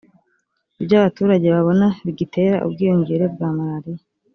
ibyo abaturage babona bigitera ubwiyongere bwa malariya